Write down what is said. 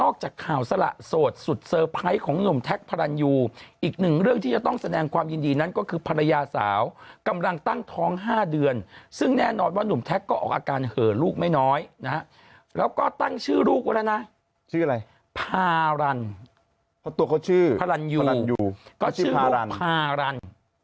นอกจากข่าวสละโสดสุดเซอร์ไพรส์ของหนุ่มแท็กซ์พารัญยูอีกหนึ่งเรื่องที่จะต้องแสดงความยินดีนั้นก็คือภรรยาสาวกำลังตั้งท้อง๕เดือนซึ่งแน่นอนว่าหนุ่มแท็กซ์ก็ออกอาการเหลือลูกไม่น้อยนะแล้วก็ตั้งชื่อลูกแล้วนะชื่ออะไรพารัญ